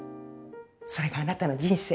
それがあなたの人生。